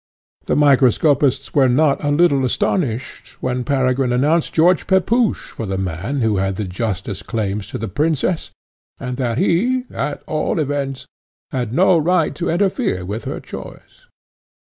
The microscopists were not a little astonished, when Peregrine announced George Pepusch for the man who had the justest claims to the princess, and that he, at all events, had no right to interfere with her choice.